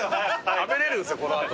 食べれるんすよこの後。